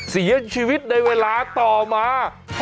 เสียชีวิตในเวลาต่อมา